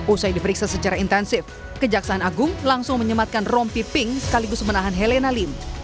usai diperiksa secara intensif kejaksaan agung langsung menyematkan rompi pink sekaligus menahan helena lim